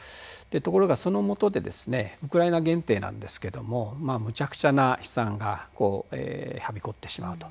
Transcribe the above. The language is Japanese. ところがそのもとでですねウクライナ限定なんですけどもまあむちゃくちゃな悲惨がこうはびこってしまうと。